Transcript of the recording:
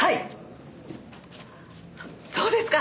そうですか。